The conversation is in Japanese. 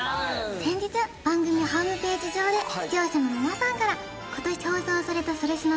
先日番組ホームページ上で視聴者のみなさんから今年放送された「それスノ」